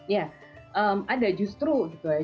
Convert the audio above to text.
ya ada justru gitu ya